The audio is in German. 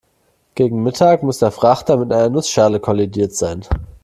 Gegen Mittag muss der Frachter mit einer Nussschale kollidiert sein.